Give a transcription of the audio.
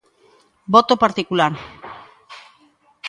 Voto particular.